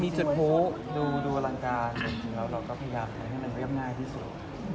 มีจุดพลุดูอลังการจริงแล้วเราก็พยายามทำให้มันเรียบง่ายที่สุด